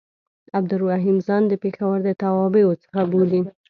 عبدالرحیم ځان د پېښور د توابعو څخه بولي.